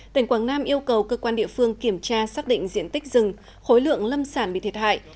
tỉnh quảng nam yêu cầu cơ quan địa phương kiểm tra xác định diện tích rừng khối lượng lâm sản bị thiệt hại